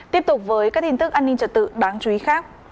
tiếp tục với các tin tức an ninh trật tự đáng chú ý khác